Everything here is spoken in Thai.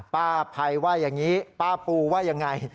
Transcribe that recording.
ป้าภัยว่าอย่างนี้ป้าปูว่ายังไง